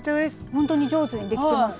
ほんとに上手にできてます。